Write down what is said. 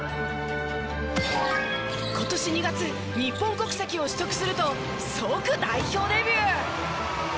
今年２月日本国籍を取得すると即代表デビュー。